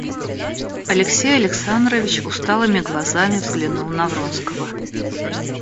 Алексей Александрович усталыми глазами взглянул на Вронского.